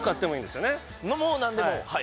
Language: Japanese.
もう何でも。